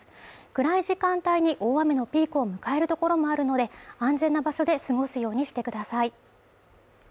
暗い時間帯に大雨のピークを迎えるところもあるので、安全な場所で過ごすようにしてください。